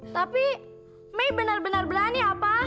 tapi mei benar benar berani apa